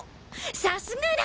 さすが蘭！